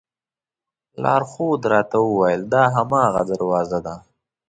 لارښود راته وویل دا هماغه دروازه ده.